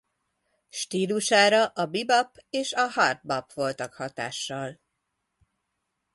Stílusára a bebop és a hard bop voltak hatással.